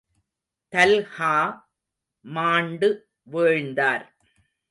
Talha மாண்டு வீழ்ந்தார்.